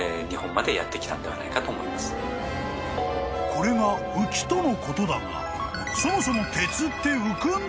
［これが浮きとのことだがそもそも］